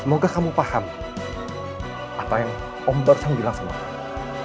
semoga kamu paham apa yang om barthelm bilang semuanya